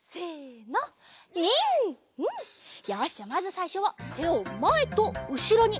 じゃあまずさいしょはてをまえとうしろに。